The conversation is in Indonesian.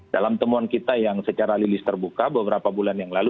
dalam temuan kita yang secara lilis terbuka beberapa bulan yang lalu